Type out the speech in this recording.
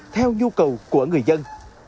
theo nhu cầu của người dân